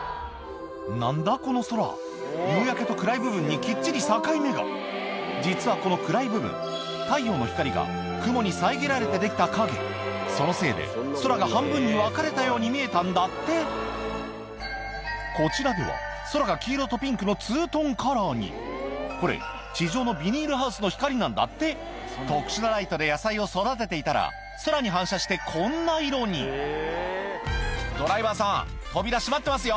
何だこの空夕焼けと暗い部分にきっちり境目が実はこの暗い部分太陽の光が雲に遮られてできた陰そのせいで空が半分に分かれたように見えたんだってこちらでは空が黄色とピンクのツートンカラーにこれ地上のビニールハウスの光なんだって特殊なライトで野菜を育てていたら空に反射してこんな色にドライバーさん扉閉まってますよ